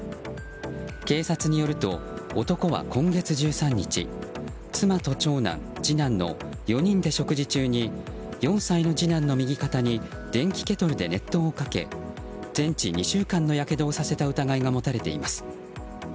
警察によると男は今月１３日妻と長男、次男の４人で食事中に４歳の次男の右肩に電気ケトルで熱湯をかけ全治２週間のやけどをさせた疑いが持たれています。